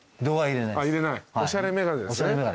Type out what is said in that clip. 入れないおしゃれ眼鏡ですね。